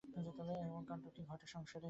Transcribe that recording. এমন কান্ডও ঘটে সংসারে?